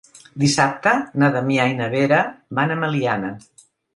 Dissabte na Damià i na Vera van a Meliana.